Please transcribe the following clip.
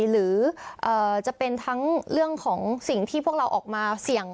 หรือจะเป็นทั้งเรื่องของสิ่งที่พวกเราออกมาเสี่ยง